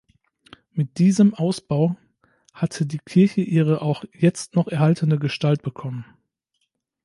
Mit diesem Ausbau hatte die Kirche ihre auch jetzt noch erhaltene Gestalt bekommen.